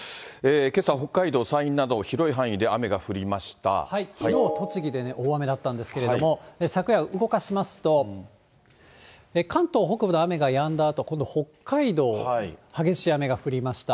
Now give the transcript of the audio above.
けさ、北海道、山陰など、きのうは栃木でね、大雨だったんですけれども、昨夜、動かしますと、関東北部の雨がやんだあと、今度北海道、激しい雨が降りました。